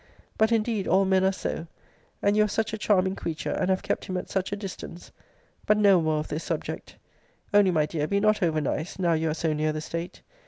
But indeed all men are so; and you are such a charming creature, and have kept him at such a distance! But no more of this subject. Only, my dear, be not over nice, now you are so near the state.